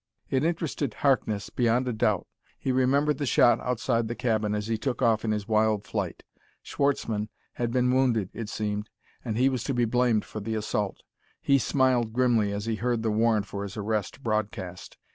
It interested Harkness, beyond a doubt. He remembered the shot outside the cabin as he took off in his wild flight. Schwartzmann had been wounded, it seemed, and he was to be blamed for the assault. He smiled grimly as he heard the warrant for his arrest broadcast.